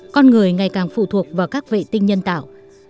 con người ngày càng phụ thuộc vào các vệ tinh nhân tạo